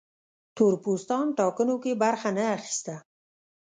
تور پوستان ټاکنو کې برخه نه اخیسته.